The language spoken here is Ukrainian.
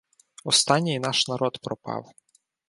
Остатній наш народ пропав.